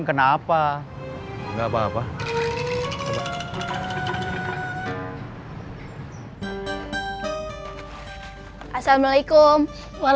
gerobak cilok kamu sudah kembali